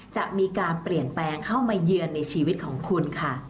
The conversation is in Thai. จะมีการเปลี่ยนแปลงเข้ามาเยือนในชีวิตของคุณค่ะ